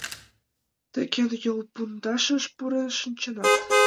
Тый кӧн йол пундашыш пурен шинчынат?